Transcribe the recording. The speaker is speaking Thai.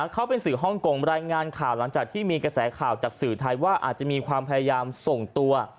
เขาเป็นสื่อฮ่องกงรายงานข่าวหลังจากที่มีกระแสข่าวจากสื่อไทยว่าอาจจะมีความพยายามส่งตัว